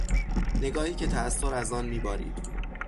نگاهی که تاثر از آن میبارید